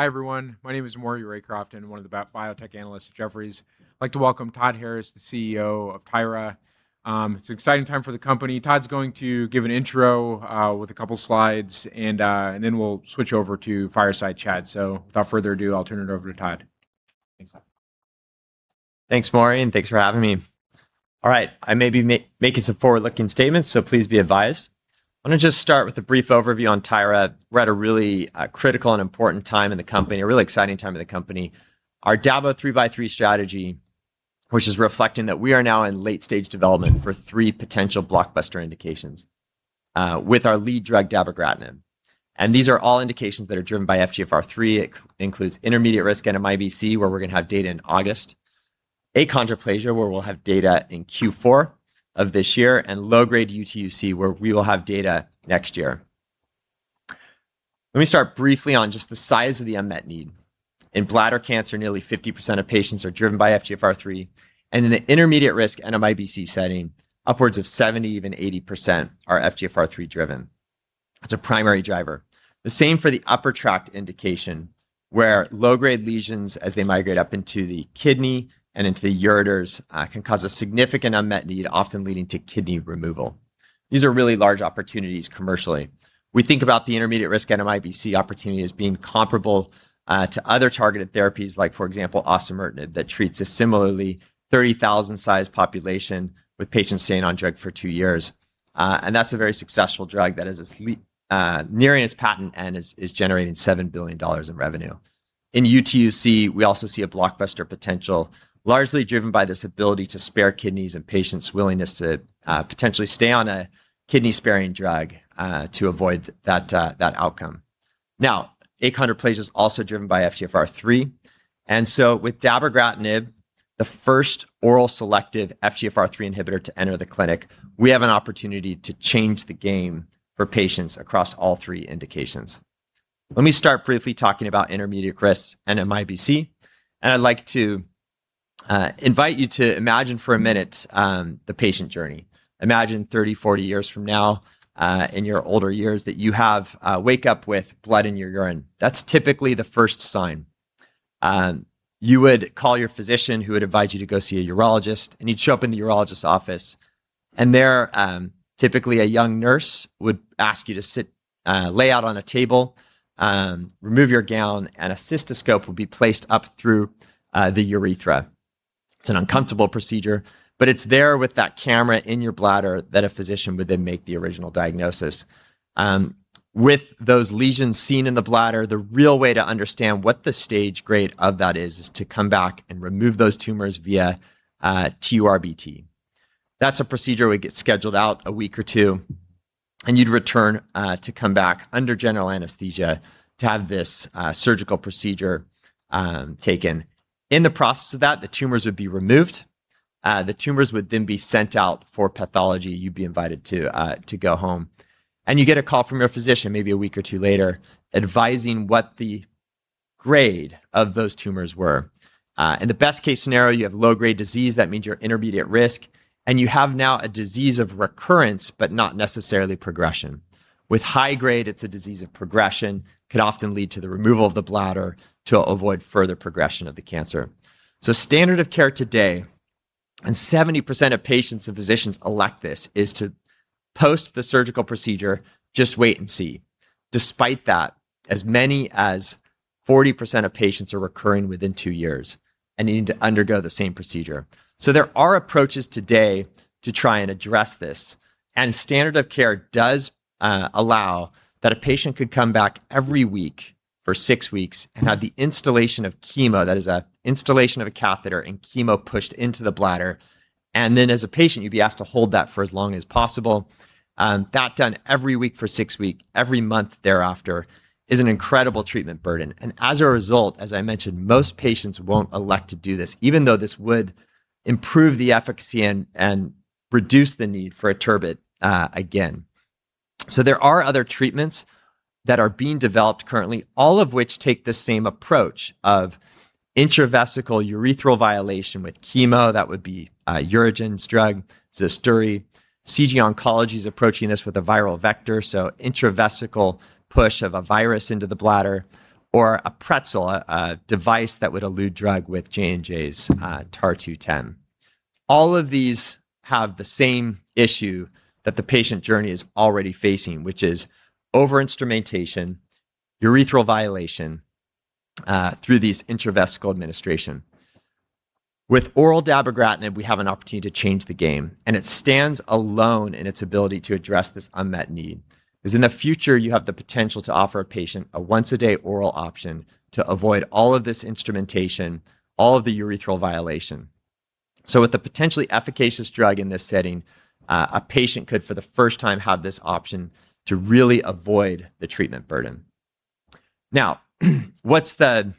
Hi, everyone. My name is Maury Raycroft, and I'm one of the biotech analysts at Jefferies. I'd like to welcome Todd Harris, the CEO of Tyra. It's an exciting time for the company. Todd's going to give an intro with a couple slides and then we'll switch over to fireside chat. Without further ado, I'll turn it over to Todd. Thanks. Thanks, Maury, and thanks for having me. All right. I may be making some forward-looking statements, so please be advised. I want to just start with a brief overview on Tyra. We're at a really critical and important time in the company, a really exciting time in the company. Our dabo three-by-three strategy, which is reflecting that we are now in late-stage development for three potential blockbuster indications with our lead drug, dabogratinib. These are all indications that are driven by FGFR3. It includes intermediate-risk NMIBC, where we're going to have data in August, achondroplasia, where we'll have data in Q4 of this year, and low-grade UTUC, where we will have data next year. Let me start briefly on just the size of the unmet need. In bladder cancer, nearly 50% of patients are driven by FGFR3, and in the intermediate-risk NMIBC setting, upwards of 70, even 80% are FGFR3-driven. It's a primary driver. The same for the upper tract indication, where low-grade lesions as they migrate up into the kidney and into the ureters can cause a significant unmet need, often leading to kidney removal. These are really large opportunities commercially. We think about the intermediate-risk NMIBC opportunity as being comparable to other targeted therapies, like, for example, osimertinib, that treats a similarly 30,000-size population with patients staying on drug for two years. That's a very successful drug that is nearing its patent end and is generating $7 billion in revenue. In UTUC, we also see a blockbuster potential, largely driven by this ability to spare kidneys and patients' willingness to potentially stay on a kidney-sparing drug to avoid that outcome. Now, achondroplasia is also driven by FGFR3. With dabogratinib, the first oral selective FGFR3 inhibitor to enter the clinic, we have an opportunity to change the game for patients across all three indications. Let me start briefly talking about intermediate-risk NMIBC, and I'd like to invite you to imagine for a minute the patient journey. Imagine 30, 40 years from now in your older years that you wake up with blood in your urine. That's typically the first sign. You would call your physician, who would advise you to go see a urologist, and you'd show up in the urologist's office. There, typically a young nurse would ask you to lay out on a table, remove your gown, and a cystoscope would be placed up through the urethra. It's an uncomfortable procedure, but it's there with that camera in your bladder that a physician would then make the original diagnosis. With those lesions seen in the bladder, the real way to understand what the stage grade of that is is to come back and remove those tumors via TURBT. That's a procedure where you get scheduled out a week or two and you'd return to come back under general anesthesia to have this surgical procedure taken. In the process of that, the tumors would be removed. The tumors would then be sent out for pathology. You'd be invited to go home. You get a call from your physician maybe a week or two later advising what the grade of those tumors were. In the best case scenario, you have low-grade disease. That means you're intermediate risk and you have now a disease of recurrence, but not necessarily progression. With high grade, it's a disease of progression, could often lead to the removal of the bladder to avoid further progression of the cancer. Standard of care today, and 70% of patients and physicians elect this, is to post the surgical procedure, just wait and see. Despite that, as many as 40% of patients are recurring within two years and needing to undergo the same procedure. There are approaches today to try and address this, and standard of care does allow that a patient could come back every week for six weeks and have the instillation of chemo. That is the instillations of a catheter and chemo pushed into the bladder and then as a patient, you'd be asked to hold that for as long as possible. As a result, as I mentioned, most patients won't elect to do this, even though this would improve the efficacy and reduce the need for a TURBT again. There are other treatments that are being developed currently, all of which take the same approach of intravesical urethral violation with chemo. That would be UroGen's drug JELMYTO. CG Oncology is approaching this with a viral vector, intravesical push of a virus into the bladder or a Pretzel, a device that would elute drug with J&J's TAR-210. All of these have the same issue that the patient journey is already facing, which is over-instrumentation, urethral violation through these intravesical administration. With oral dabogratinib, we have an opportunity to change the game. It stands alone in its ability to address this unmet need, because in the future, you have the potential to offer a patient a once-a-day oral option to avoid all of this instrumentation, all of the urethral violation. With a potentially efficacious drug in this setting, a patient could, for the first time, have this option to really avoid the treatment burden. What's the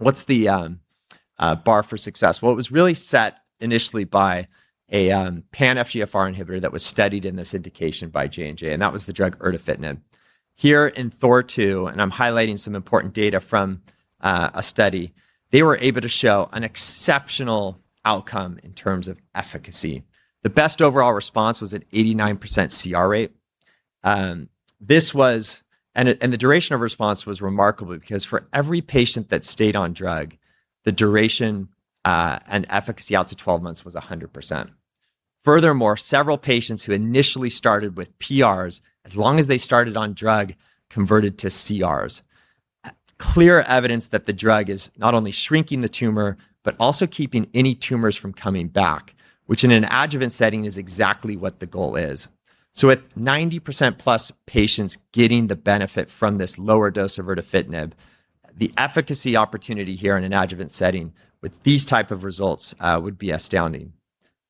bar for success? Well, it was really set initially by a pan-FGFR inhibitor that was studied in this indication by J&J. That was the drug erdafitinib. Here in THOR-2, I'm highlighting some important data from a study, they were able to show an exceptional outcome in terms of efficacy. The best overall response was an 89% CR rate. The duration of response was remarkable because for every patient that stayed on drug, the duration and efficacy out to 12 months was 100%. Furthermore, several patients who initially started with PRs, as long as they started on drug, converted to CRs. Clear evidence that the drug is not only shrinking the tumor, but also keeping any tumors from coming back, which in an adjuvant setting is exactly what the goal is. With 90% plus patients getting the benefit from this lower dose of erdafitinib, the efficacy opportunity here in an adjuvant setting with these type of results would be astounding.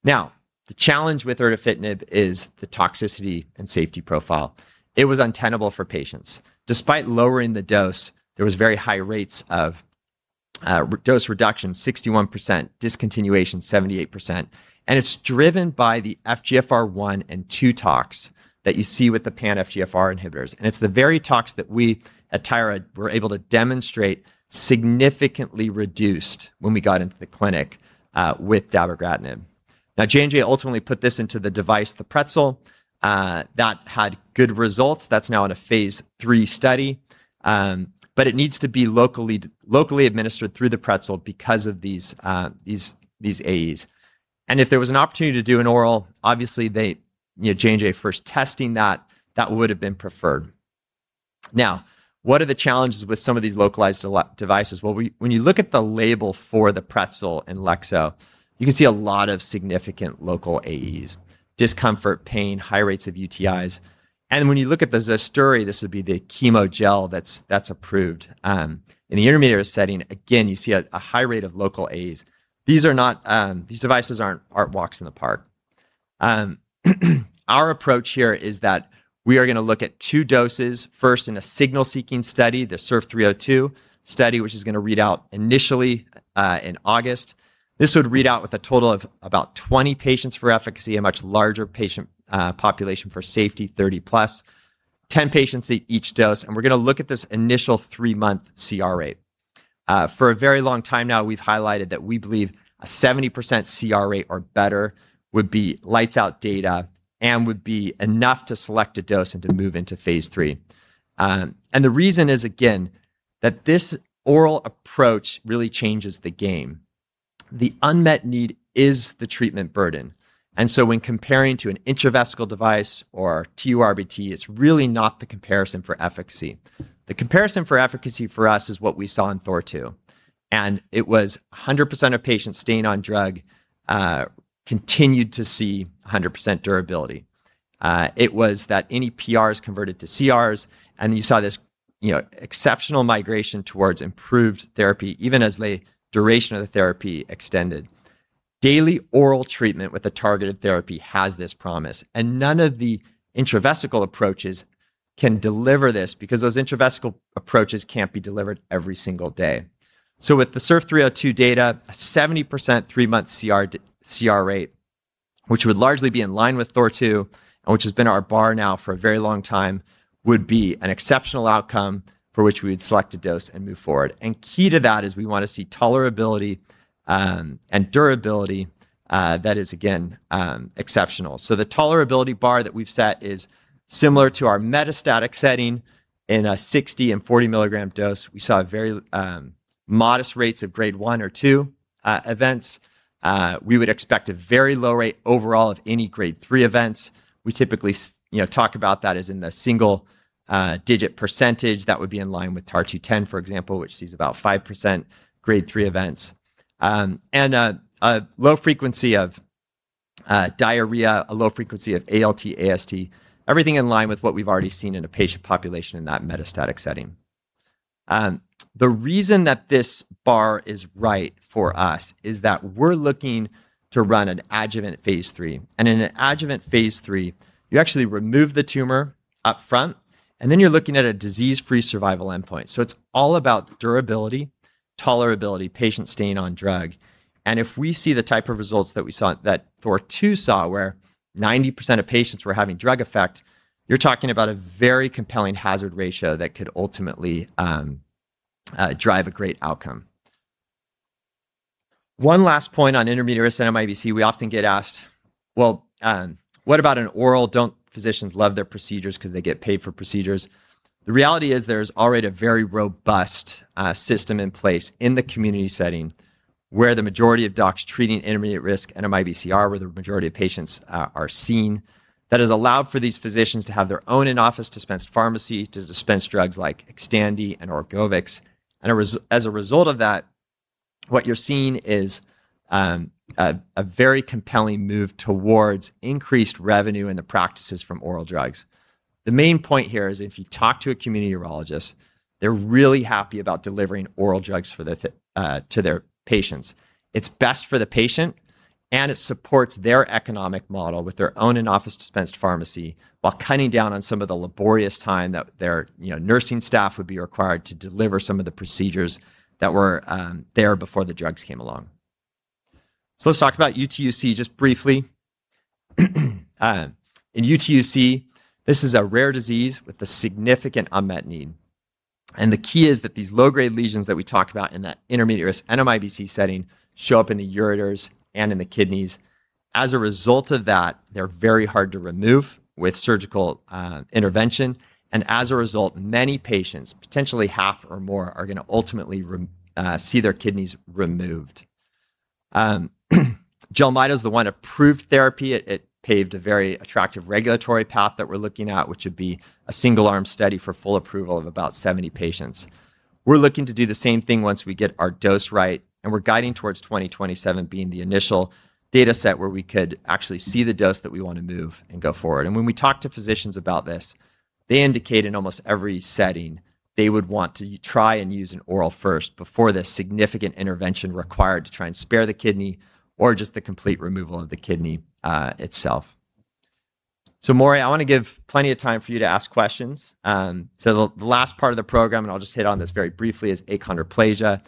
Now, the challenge with erdafitinib is the toxicity and safety profile. It was untenable for patients. Despite lowering the dose, there was very high rates of dose reduction, 61%, discontinuation 78%. It's driven by the FGFR1 and 2 tox that you see with the pan-FGFR inhibitors. It's the very tox that we at Tyra were able to demonstrate significantly reduced when we got into the clinic with dabogratinib. J&J ultimately put this into the device, the Pretzel, that had good results. That's now in a phase III study, but it needs to be locally administered through the Pretzel because of these AEs. If there was an opportunity to do an oral, obviously J&J first testing that would have been preferred. What are the challenges with some of these localized devices? When you look at the label for the Pretzel and Inlexzo, you can see a lot of significant local AEs, discomfort, pain, high rates of UTIs. When you look at the ZESTORRI, this would be the chemo gel that's approved. In the intermediate-risk setting, again, you see a high rate of local AEs. These devices aren't walks in the park. Our approach here is that we are going to look at two doses, first in a signal-seeking study, the SURF302 study, which is going to read out initially, in August. This would read out with a total of about 20 patients for efficacy, a much larger patient population for safety, 30 plus, 10 patients at each dose, and we're going to look at this initial three-month CR rate. For a very long time now, we've highlighted that we believe a 70% CR rate or better would be lights out data and would be enough to select a dose and to move into phase III. The reason is, again, that this oral approach really changes the game. The unmet need is the treatment burden, when comparing to an intravesical device or TURBT, it's really not the comparison for efficacy. The comparison for efficacy for us is what we saw in THOR-2, it was 100% of patients staying on drug, continued to see 100% durability. It was that any PRs converted to CRs, you saw this exceptional migration towards improved therapy, even as the duration of the therapy extended. Daily oral treatment with a targeted therapy has this promise, none of the intravesical approaches can deliver this because those intravesical approaches can't be delivered every single day. With the SURF302 data, a 70% 3-month CR rate, which would largely be in line with THOR-2 and which has been our bar now for a very long time, would be an exceptional outcome for which we would select a dose and move forward. Key to that is we want to see tolerability and durability, that is, again, exceptional. The tolerability bar that we've set is similar to our metastatic setting in a 60 and 40 milligram dose. We saw very modest rates of grade 1 or 2 events. We would expect a very low rate overall of any grade 3 events. We typically talk about that as in the single digit percentage that would be in line with TAR-210, for example, which sees about 5% grade 3 events. A low frequency of diarrhea, a low frequency of ALT, AST, everything in line with what we've already seen in a patient population in that metastatic setting. The reason that this bar is right for us is that we're looking to run an adjuvant phase III. In an adjuvant phase III, you actually remove the tumor upfront, then you're looking at a disease-free survival endpoint. It's all about durability, tolerability, patient staying on drug. If we see the type of results that THOR-2 saw where 90% of patients were having drug effect, you're talking about a very compelling hazard ratio that could ultimately drive a great outcome. One last point on intermediate-risk NMIBC. We often get asked, "Well, what about an oral? Don't physicians love their procedures because they get paid for procedures? The reality is there's already a very robust system in place in the community setting where the majority of docs treating intermediate-risk NMIBC are where the majority of patients are seen. That has allowed for these physicians to have their own in-office dispensed pharmacy to dispense drugs like XTANDI and ORGOVYX. As a result of that, what you're seeing is a very compelling move towards increased revenue in the practices from oral drugs. The main point here is if you talk to a community urologist, they're really happy about delivering oral drugs to their patients. It's best for the patient, and it supports their economic model with their own in-office dispensed pharmacy while cutting down on some of the laborious time that their nursing staff would be required to deliver some of the procedures that were there before the drugs came along. Let's talk about UTUC just briefly. In UTUC, this is a rare disease with a significant unmet need. The key is that these low-grade lesions that we talked about in that intermediate-risk NMIBC setting show up in the ureters and in the kidneys. As a result of that, they're very hard to remove with surgical intervention, and as a result, many patients, potentially half or more, are going to ultimately see their kidneys removed. gemcitabine is the one approved therapy. It paved a very attractive regulatory path that we're looking at, which would be a single-arm study for full approval of about 70 patients. We're looking to do the same thing once we get our dose right, we're guiding towards 2027 being the initial data set where we could actually see the dose that we want to move and go forward. When we talk to physicians about this, they indicate in almost every setting, they would want to try and use an oral first before the significant intervention required to try and spare the kidney or just the complete removal of the kidney itself. Maury, I want to give plenty of time for you to ask questions. The last part of the program, I'll just hit on this very briefly, is achondroplasia.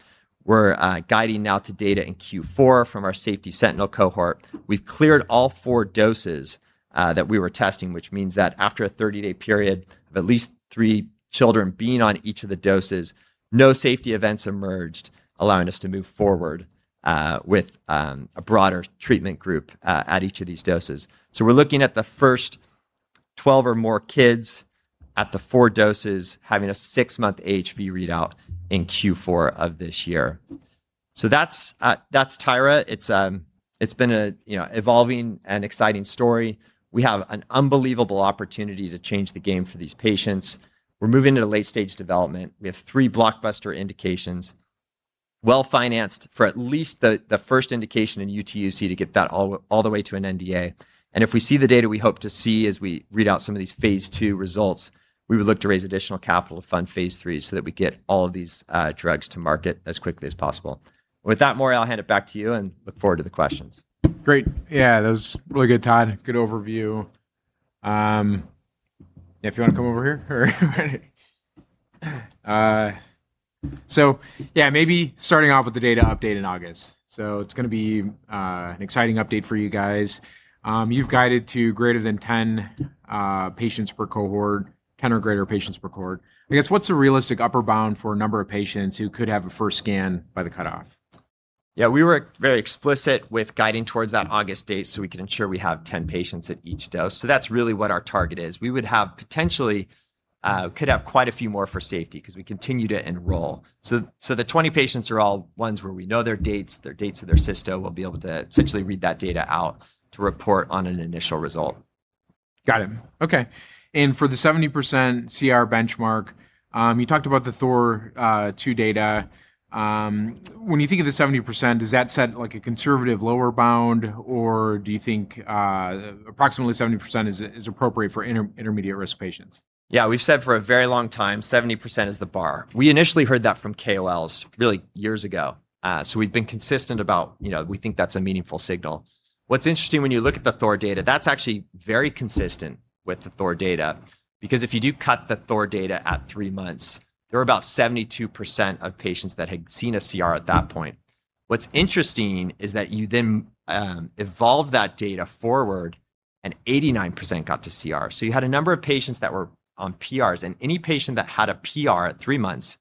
We're guiding now to data in Q4 from our safety sentinel cohort. We've cleared all four doses that we were testing, which means that after a 30-day period of at least three children being on each of the doses, no safety events emerged, allowing us to move forward with a broader treatment group at each of these doses. We're looking at the first 12 or more kids at the four doses, having a six-month HV readout in Q4 of this year. That's Tyra. It's been an evolving and exciting story. We have an unbelievable opportunity to change the game for these patients. We're moving into late-stage development. We have three blockbuster indications, well-financed for at least the first indication in UTUC to get that all the way to an NDA. If we see the data we hope to see as we read out some of these phase II results, we would look to raise additional capital to fund phase IIIs so that we get all of these drugs to market as quickly as possible. With that, Maury, I'll hand it back to you and look forward to the questions. Great. Yeah, that was really good, Todd. Good overview. If you want to come over here. Yeah, maybe starting off with the data update in August. It's going to be an exciting update for you guys. You've guided to greater than 10 patients per cohort, 10 or greater patients per cohort. I guess, what's a realistic upper bound for a number of patients who could have a first scan by the cutoff? Yeah, we were very explicit with guiding towards that August date so we can ensure we have 10 patients at each dose. That's really what our target is. We would potentially could have quite a few more for safety because we continue to enroll. The 20 patients are all ones where we know their dates, their dates of their sisto. We'll be able to essentially read that data out to report on an initial result. Got it. Okay. For the 70% CR benchmark, you talked about the THOR-2 data. When you think of the 70%, does that set a conservative lower bound, or do you think approximately 70% is appropriate for intermediate-risk patients? Yeah. We've said for a very long time, 70% is the bar. We initially heard that from KOLs really years ago. We've been consistent about we think that's a meaningful signal. What's interesting when you look at the THOR-2 data, that's actually very consistent with the THOR-2 data, because if you do cut the THOR-2 data at three months, there were about 72% of patients that had seen a CR at that point. What's interesting is that you then evolve that data forward and 89% got to CR. You had a number of patients that were on PRs, and any patient that had a PR at three months,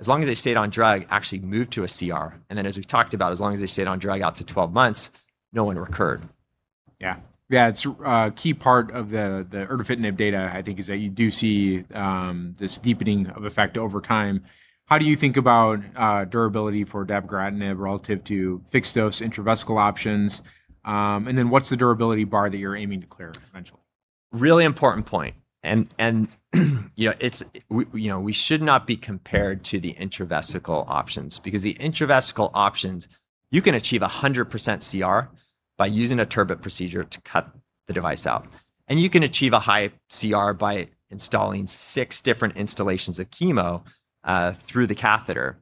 as long as they stayed on drug, actually moved to a CR. As we've talked about, as long as they stayed on drug out to 12 months, no one recurred. Yeah. It's a key part of the erdafitinib data, I think, is that you do see this deepening of effect over time. How do you think about durability for dabogratinib relative to fixed-dose intravesical options? What's the durability bar that you're aiming to clear eventually? Really important point. We should not be compared to the intravesical options because the intravesical options, you can achieve 100% CR by using a TURBT procedure to cut the device out, and you can achieve a high CR by installing six different installations of chemo through the catheter.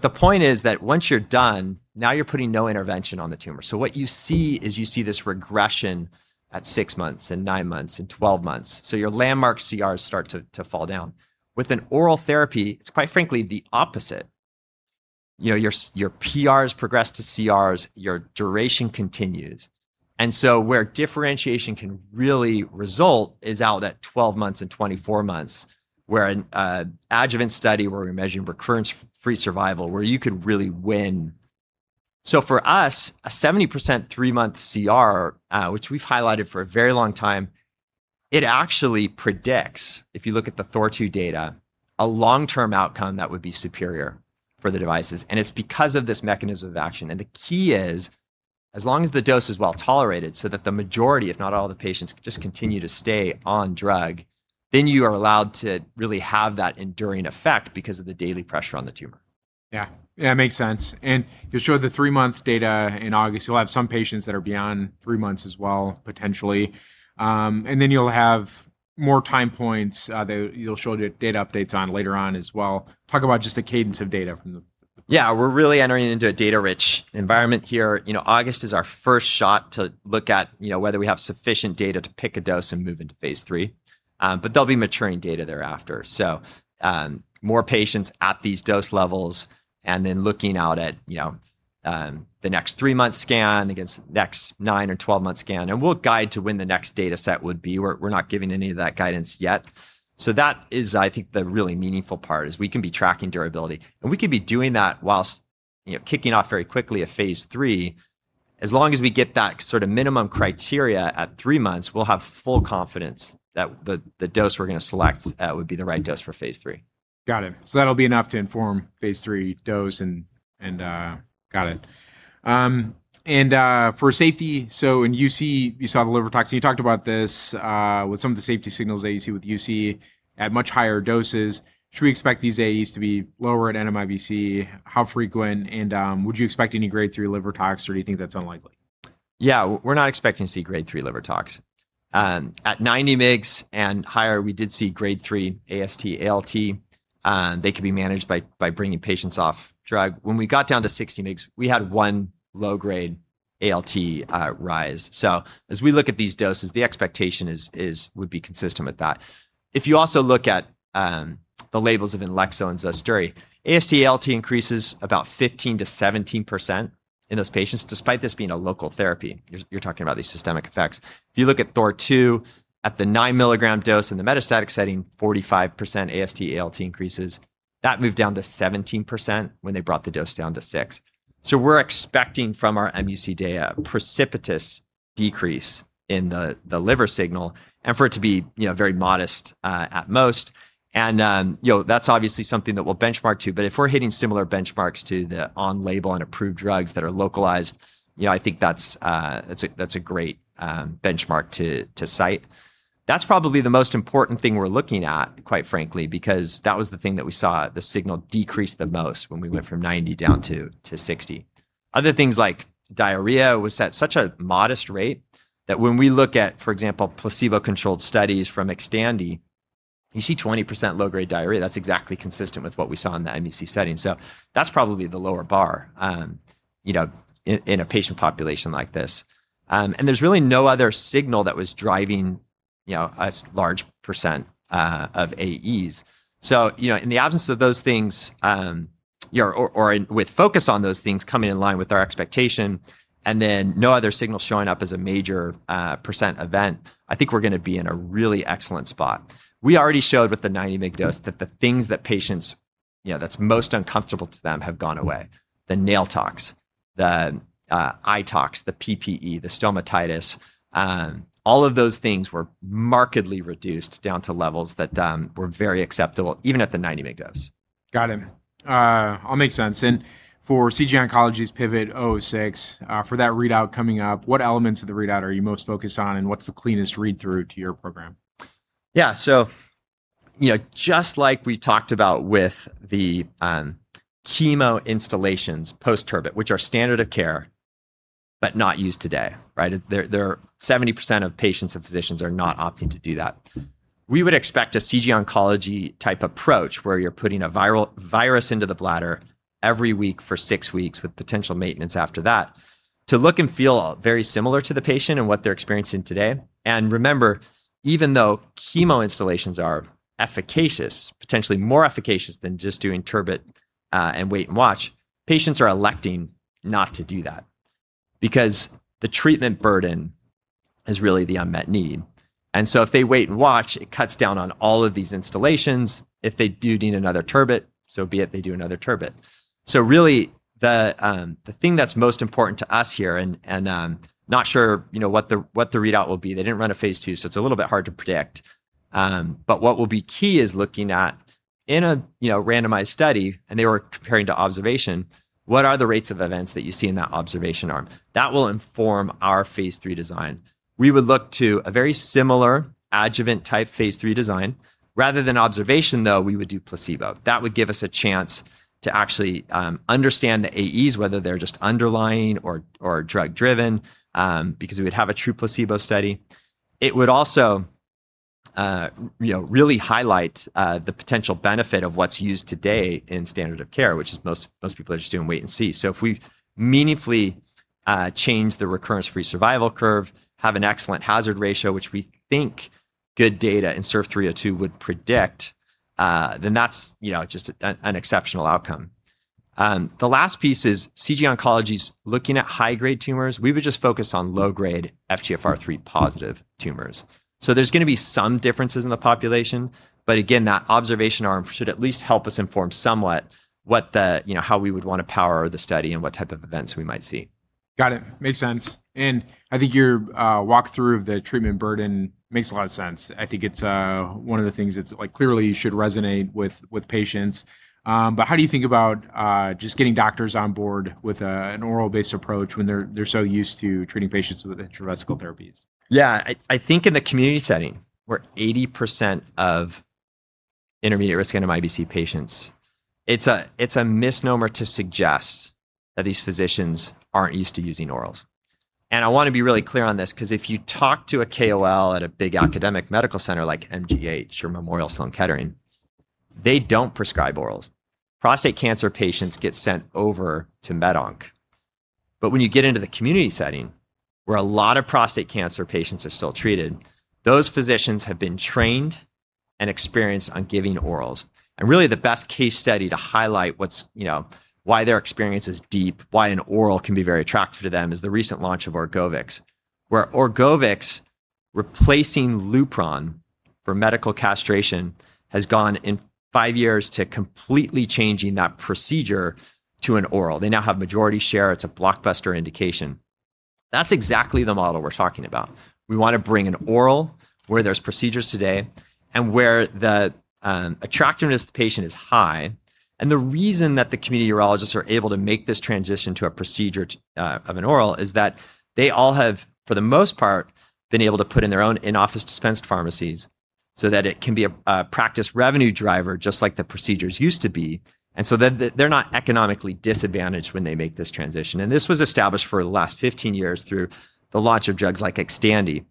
The point is that once you're done, now you're putting no intervention on the tumor. What you see is you see this regression at six months and nine months and 12 months. Your landmark CRs start to fall down. With an oral therapy, it's quite frankly the opposite. Your PRs progress to CRs, your duration continues, and so where differentiation can really result is out at 12 months and 24 months, where an adjuvant study, where we're measuring recurrence-free survival, where you could really win. For us, a 70% three-month CR, which we've highlighted for a very long time, it actually predicts, if you look at the THOR-2 data, a long-term outcome that would be superior for the devices, and it's because of this mechanism of action. The key is, as long as the dose is well-tolerated so that the majority, if not all of the patients, just continue to stay on drug, then you are allowed to really have that enduring effect because of the daily pressure on the tumor. Yeah. That makes sense. You'll show the three-month data in August. You'll have some patients that are beyond three months as well, potentially. You'll have more time points that you'll show data updates on later on as well. Talk about just the cadence of data from the- Yeah. We're really entering into a data-rich environment here. August is our first shot to look at whether we have sufficient data to pick a dose and move into phase III. There'll be maturing data thereafter, more patients at these dose levels and then looking out at the next 3-month scan against next 9 or 12-month scan, and we'll guide to when the next data set would be. We're not giving any of that guidance yet. That is, I think, the really meaningful part, is we can be tracking durability, and we can be doing that whilst kicking off very quickly a Phase III, as long as we get that sort of minimum criteria at three months, we'll have full confidence that the dose we're going to select would be the right dose for Phase III. Got it. That'll be enough to inform phase III dose. For safety, in UC, you saw the liver tox, and you talked about this with some of the safety signals that you see with UC at much higher doses. Should we expect these AEs to be lower at NMIBC? How frequent, and would you expect any Grade 3 liver tox, or do you think that's unlikely? We're not expecting to see Grade 3 liver tox. At 90 mgs and higher, we did see Grade 3 AST, ALT. They could be managed by bringing patients off drug. When we got down to 60 mgs, we had one low grade ALT rise. As we look at these doses, the expectation would be consistent with that. If you also look at the labels of Inlexzo and ZESTORRI, AST, ALT increases about 15%-17% in those patients, despite this being a local therapy. You're talking about these systemic effects. If you look at THOR-2 at the 9 mg dose in the metastatic setting, 45% AST, ALT increases. That moved down to 17% when they brought the dose down to six. We're expecting from our mUC data a precipitous decrease in the liver signal and for it to be very modest at most. That's obviously something that we'll benchmark to, but if we're hitting similar benchmarks to the on-label and approved drugs that are localized, I think that's a great benchmark to cite. That's probably the most important thing we're looking at, quite frankly, because that was the thing that we saw the signal decrease the most when we went from 90 down to 60. Other things like diarrhea was at such a modest rate that when we look at, for example, placebo-controlled studies from XTANDI, you see 20% low-grade diarrhea. That's exactly consistent with what we saw in the mUC setting. That's probably the lower bar in a patient population like this. There's really no other signal that was driving a large % of AEs. In the absence of those things, or with focus on those things coming in line with our expectation and then no other signal showing up as a major percent event, I think we're going to be in a really excellent spot. We already showed with the 90 mg dose that the things that patients, that's most uncomfortable to them have gone away. The nail tox, the eye tox, the PPE, the stomatitis, all of those things were markedly reduced down to levels that were very acceptable, even at the 90 mg dose. Got it. All makes sense. For CG Oncology's PIVOT-006, for that readout coming up, what elements of the readout are you most focused on, and what's the cleanest read-through to your program? Just like we talked about with the chemo installations post-TURBT, which are standard of care but not used today, right? 70% of patients and physicians are not opting to do that. We would expect a CG Oncology type approach where you're putting a virus into the bladder every week for six weeks with potential maintenance after that to look and feel very similar to the patient and what they're experiencing today. Remember, even though chemo installations are efficacious, potentially more efficacious than just doing TURBT and wait and watch, patients are electing not to do that because the treatment burden is really the unmet need. If they wait and watch, it cuts down on all of these installations. If they do need another TURBT, so be it, they do another TURBT. Really, the thing that's most important to us here, and not sure what the readout will be. They didn't run a phase II, so it's a little bit hard to predict. What will be key is looking at in a randomized study, and they were comparing to observation, what are the rates of events that you see in that observation arm? That will inform our phase III design. We would look to a very similar adjuvant type phase III design. Rather than observation, though, we would do placebo. That would give us a chance to actually understand the AEs, whether they're just underlying or drug driven, because we would have a true placebo study. It would also really highlight the potential benefit of what's used today in standard of care, which is most people are just doing wait and see. If we meaningfully change the recurrence-free survival curve, have an excellent hazard ratio, which we think good data in SURF302 would predict, then that's just an exceptional outcome. The last piece is CG Oncology's looking at high-grade tumors. We would just focus on low-grade FGFR3-positive tumors. There's going to be some differences in the population, but again, that observation arm should at least help us inform somewhat how we would want to power the study and what type of events we might see. Got it. Makes sense. I think your walkthrough of the treatment burden makes a lot of sense. I think it's one of the things that's clearly should resonate with patients. How do you think about just getting doctors on board with an oral-based approach when they're so used to treating patients with intravesical therapies? Yeah. I think in the community setting, where 80% of intermediate-risk NMIBC patients, it's a misnomer to suggest that these physicians aren't used to using orals. I want to be really clear on this because if you talk to a KOL at a big academic medical center like MGH or Memorial Sloan Kettering, they don't prescribe orals. Prostate cancer patients get sent over to med onc. When you get into the community setting, where a lot of prostate cancer patients are still treated, those physicians have been trained and experienced on giving orals. Really the best case study to highlight why their experience is deep, why an oral can be very attractive to them is the recent launch of ORGOVYX. Where ORGOVYX replacing LUPRON for medical castration has gone in five years to completely changing that procedure to an oral. They now have majority share. It's a blockbuster indication. That's exactly the model we're talking about. We want to bring an oral where there's procedures today and where the attractiveness to the patient is high. The reason that the community urologists are able to make this transition to a procedure of an oral is that they all have, for the most part, been able to put in their own in-office dispense pharmacies that it can be a practice revenue driver, just like the procedures used to be, they're not economically disadvantaged when they make this transition. This was established for the last 15 years through the launch of drugs like XTANDI.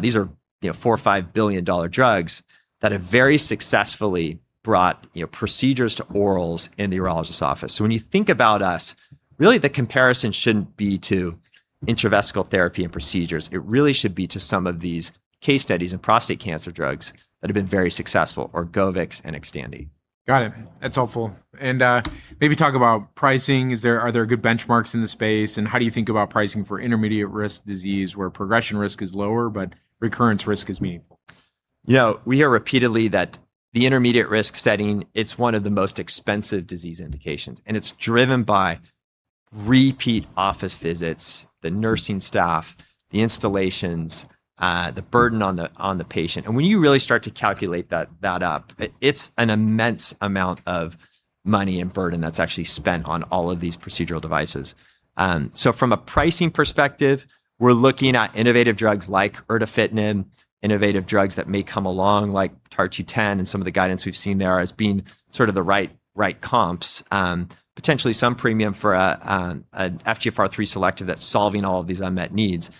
These are four or $5 billion drugs that have very successfully brought procedures to orals in the urologist's office. When you think about us, really the comparison shouldn't be to intravascular therapy and procedures. It really should be to some of these case studies in prostate cancer drugs that have been very successful, ORGOVYX and XTANDI. Got it. That's helpful. Maybe talk about pricing. Are there good benchmarks in the space? How do you think about pricing for intermediate-risk disease where progression risk is lower but recurrence risk is meaningful? We hear repeatedly that the intermediate risk setting, it's one of the most expensive disease indications, and it's driven by repeat office visits, the nursing staff, the installations, the burden on the patient. When you really start to calculate that up, it's an immense amount of money and burden that's actually spent on all of these procedural devices. From a pricing perspective, we're looking at innovative drugs like erdafitinib, innovative drugs that may come along like TAR-210 and some of the guidance we've seen there as being sort of the right comps. Potentially some premium for a FGFR3 selective that's solving all of these unmet needs.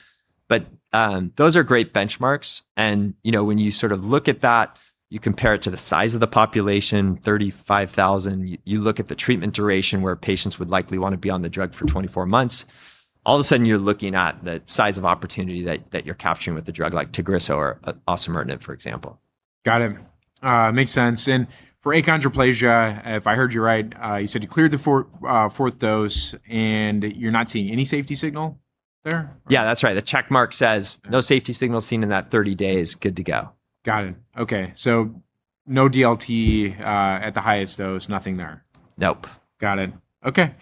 Those are great benchmarks and when you look at that, you compare it to the size of the population, 35,000, you look at the treatment duration where patients would likely want to be on the drug for 24 months, all of a sudden you're looking at the size of opportunity that you're capturing with a drug like TAGRISSO or osimertinib, for example. Got it. Makes sense. For achondroplasia, if I heard you right, you said you cleared the fourth dose and you're not seeing any safety signal there? Yeah, that's right. The check mark says no safety signals seen in that 30 days. Good to go. Got it. Okay, no DLT at the highest dose, nothing there? Nope. Got it. Okay.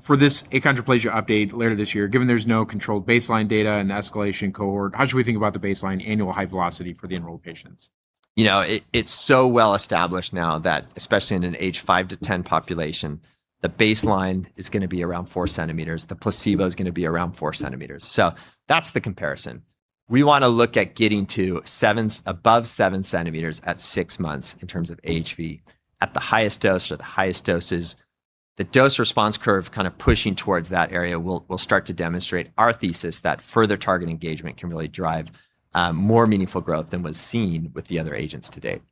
For this achondroplasia update later this year, given there's no controlled baseline data and escalation cohort, how should we think about the baseline annual height velocity for the enrolled patients? It's so well established now that, especially in an age 5-10 population, the baseline is going to be around four centimeters. The placebo's going to be around four centimeters. That's the comparison. We want to look at getting to above seven centimeters at six months in terms of HV at the highest dose or the highest doses. The dose response curve pushing towards that area will start to demonstrate our thesis that further target engagement can really drive more meaningful growth than was seen with the other agents to date.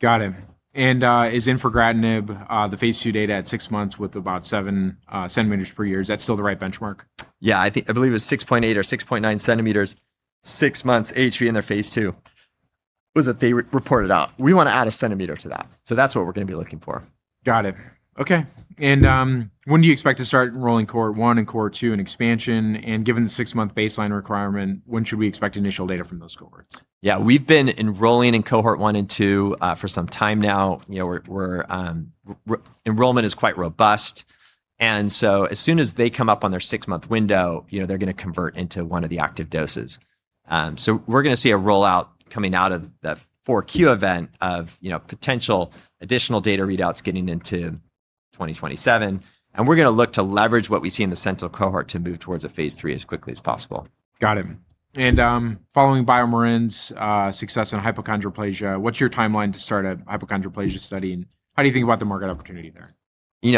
Got it. Is infigratinib the phase II data at six months with about seven centimeters per year, is that still the right benchmark? Yeah, I believe it was 6.8 or 6.9 centimeters, six months HV in their phase II, was what they reported out. We want to add a centimeter to that. That's what we're going to be looking for. Got it. Okay. When do you expect to start enrolling cohort 1 and cohort 2 in expansion? Given the six-month baseline requirement, when should we expect initial data from those cohorts? We've been enrolling in cohort 1 and 2 for some time now. Enrollment is quite robust. As soon as they come up on their six-month window, they're going to convert into one of the active doses. We're going to see a rollout coming out of that 4Q event of potential additional data readouts getting into 2027, and we're going to look to leverage what we see in the sentinel cohort to move towards a phase III as quickly as possible. Got it. Following BioMarin's success in hypochondroplasia, what's your timeline to start a hypochondroplasia study, and how do you think about the market opportunity there?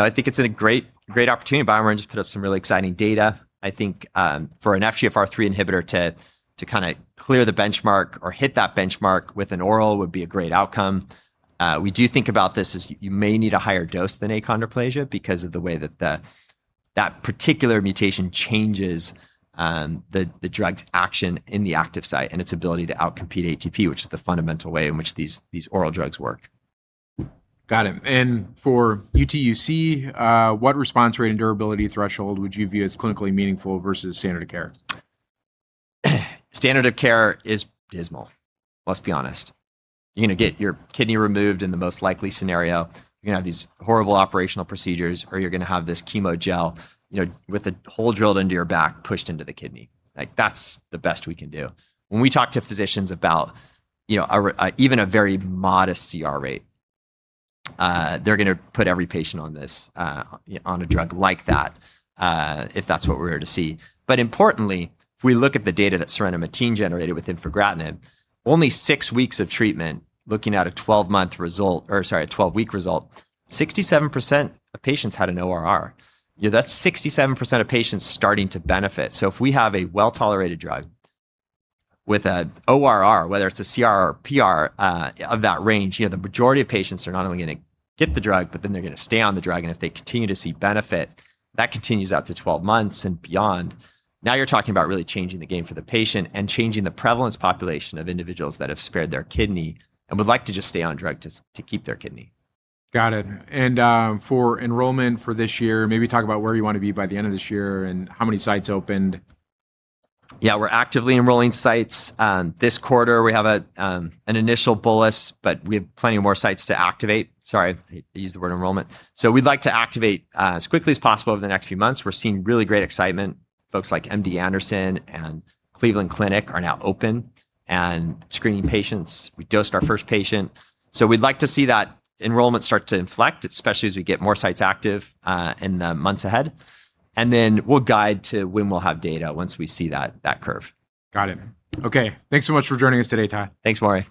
I think it's a great opportunity. BioMarin just put up some really exciting data. I think for an FGFR3 inhibitor to clear the benchmark or hit that benchmark with an oral would be a great outcome. We do think about this as you may need a higher dose than achondroplasia because of the way that that particular mutation changes the drug's action in the active site and its ability to outcompete ATP, which is the fundamental way in which these oral drugs work. Got it. For UTUC, what response rate and durability threshold would you view as clinically meaningful versus standard of care? Standard of care is dismal. Let's be honest. You're going to get your kidney removed in the most likely scenario. You're going to have these horrible operational procedures, or you're going to have this chemo gel with a hole drilled into your back pushed into the kidney. That's the best we can do. When we talk to physicians about even a very modest CR rate, they're going to put every patient on a drug like that if that's what we were to see. Importantly, if we look at the data that Sarepta generated with infigratinib, only six weeks of treatment, looking at a 12-month result, or sorry, a 12-week result, 67% of patients had an ORR. That's 67% of patients starting to benefit. If we have a well-tolerated drug with an ORR, whether it's a CR or PR of that range, the majority of patients are not only going to get the drug, but then they're going to stay on the drug. If they continue to see benefit, that continues out to 12 months and beyond. You're talking about really changing the game for the patient and changing the prevalence population of individuals that have spared their kidney and would like to just stay on drug to keep their kidney. Got it. For enrollment for this year, maybe talk about where you want to be by the end of this year and how many sites opened. Yeah. We're actively enrolling sites. This quarter we have an initial bolus, we have plenty more sites to activate. Sorry, I used the word enrollment. We'd like to activate as quickly as possible over the next few months. We're seeing really great excitement. Folks like MD Anderson and Cleveland Clinic are now open and screening patients. We dosed our first patient. We'd like to see that enrollment start to inflect, especially as we get more sites active in the months ahead. We'll guide to when we'll have data once we see that curve. Got it. Okay. Thanks so much for joining us today, Todd. Thanks, Maury.